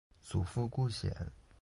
祖父顾显。